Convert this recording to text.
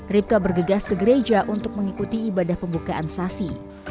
ripka bergegas ke gereja untuk mengikuti ibadah pembukaan sasi